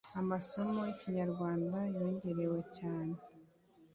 amasomo y' Ikinyarwanda yongerewe cyane